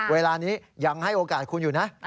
เวลานี้ยังให้โอกาสคุณอยู่นะ